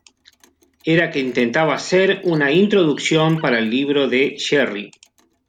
era que intentaba hacer una “Introducción” para el libro de Jerry.